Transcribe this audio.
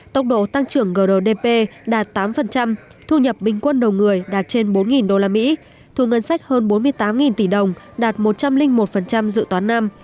tốc độ tăng trưởng grdp đạt tám thu nhập bình quân đầu người đạt trên bốn usd thu ngân sách hơn bốn mươi tám tỷ đồng đạt một trăm linh một dự toán năm